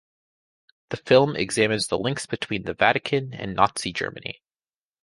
The film examines the links between the Vatican and Nazi Germany.